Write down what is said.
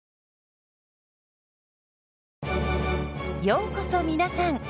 ようこそ皆さん。